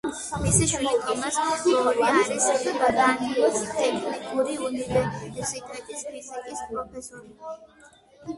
მისი შვილი, ტომას ბორი არის დანიის ტექნიკური უნივერსიტეტის ფიზიკის პროფესორი.